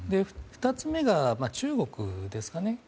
２つ目が中国ですかね。